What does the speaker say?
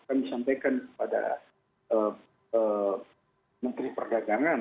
kami sampaikan kepada menteri perdagangan